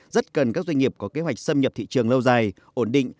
rất cần các doanh nghiệp có kế hoạch xâm nhập thị trường lâu dài ổn định